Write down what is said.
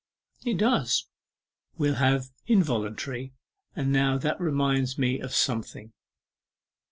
'It does; we'll have "involuntarily." Ah, now this reminds me of something.